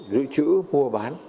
giữ chữ mua bán